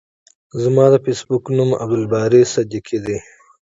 زما د فیسبوک نوم عبدالباری صدیقی ده.